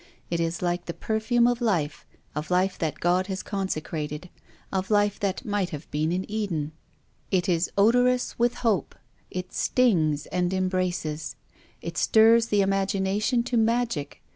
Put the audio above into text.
It is like the perfume of life, of life that God has consecrated, of life that might have been in Eden. It is odorous with hope. It stings and embraces. It stirs the imagination to "WILLIAM FOSTER. iSl maG:Ic.